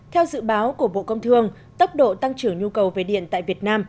theo dự báo của bộ công thương tốc độ tăng trưởng nhu cầu về điện tại việt nam